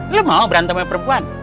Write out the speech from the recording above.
lo mau berantem sama perempuan